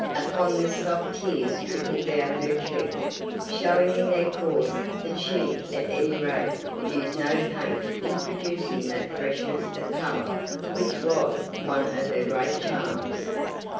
Upon this soft tears trickled down her cheek, showing in their course that she at any rate used no paint in producing that freshness of colour which was one of her great charms.